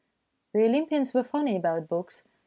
The Olympians were funny about books.